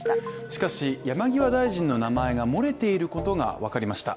しかし山際大臣の名前が漏れていることが分かりました。